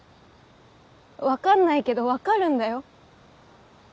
分かんないけど分かるんだよ。